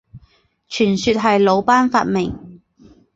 传说是鲁班发明。